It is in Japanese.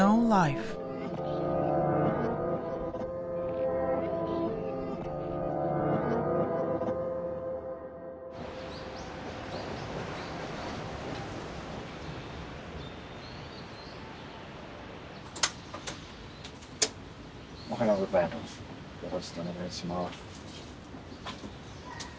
よろしくお願いします。